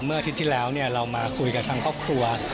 เมื่ออาทิตย์ที่แล้วเนี่ยเรามาคุยกับทั้งครอบครัว